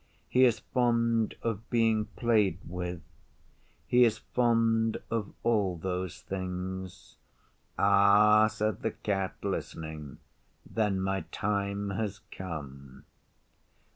He is fond of being played with. He is fond of all those things.' 'Ah,' said the Cat, listening, 'then my time has come.